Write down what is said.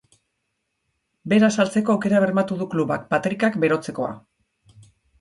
Bera saltzeko aukera bermatu du klubak, patrikak berotzekoa.